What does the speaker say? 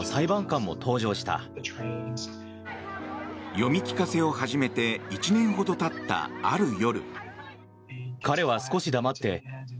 読み聞かせを始めて１年ほど経ったある夜。